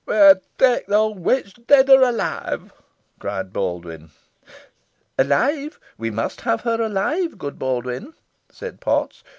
"We'n tae th' owd witch, dead or alive," cried Baldwyn. "Alive we must have her alive, good Baldwyn," said Potts.